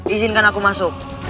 izinkan aku masuk